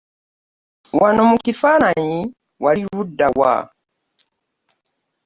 Wano mu kifaananyi wali ludda wa?